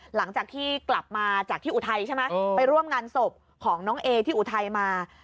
หลังจากที่กลับมาจากที่อุทัยใช่ไหมไปร่วมงานศพของน้องเอที่อุทัยมา